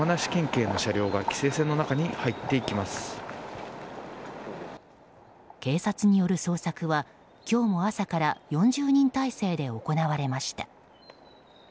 警察による捜索は今日も朝から４０人態勢で行われました。